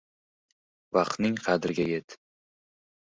Vaqtning qadriga yet!